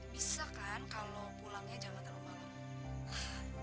bisa kan kalau pulangnya jam satu malam